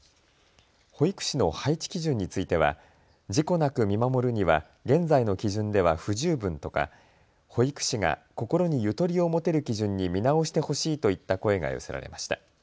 保育士の配置基準については事故なく見守るには現在の基準では不十分とか保育士が心にゆとりを持てる基準に見直してほしいといった声が寄せられました。